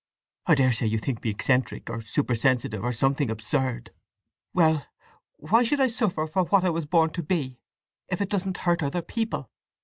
I daresay you think me eccentric, or super sensitive, or something absurd. Well—why should I suffer for what I was born to be, if it doesn't hurt other people?"